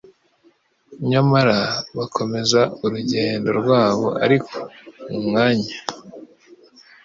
nyamara bakomeza urugendo rwabo. Ariko mu mwanya,